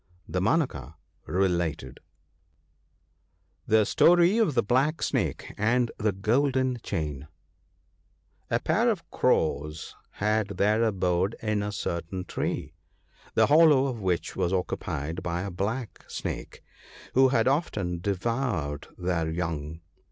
Damanaka related :— cCfie £tDtg of rijc IJ&Iacft J^nafte anti tfie Soften Cfjatn PAIR of Crows had their abode in a certain tree, the hollow of which was occupied by a black snake, who had often devoured their young.